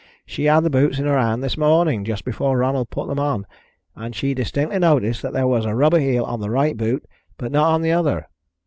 "She had the boots in her hands this morning, just before Ronald put them on, and she distinctly noticed that there was a rubber heel on the right boot, but not on the other."